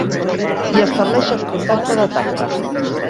Hi estableixes contacte de tacte.